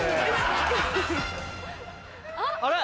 あれ？